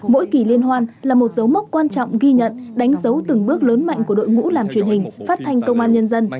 mỗi kỳ liên hoan là một dấu mốc quan trọng ghi nhận đánh dấu từng bước lớn mạnh của đội ngũ làm truyền hình phát thanh công an nhân dân